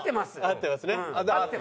合ってますね。